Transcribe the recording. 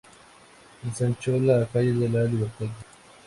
Ensanchó la calle de la Libertad.